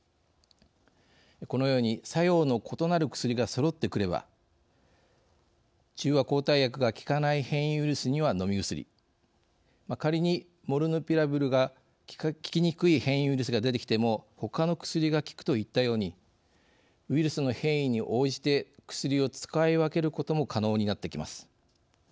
このように作用の異なる薬がそろってくれば中和抗体薬が効かない変異ウイルスには飲み薬仮にモルヌピラビルが効きにくい変異ウイルスが出てきてもほかの薬が効くといったようにウイルスの変異に応じて薬を使い分けることも可能になってきます。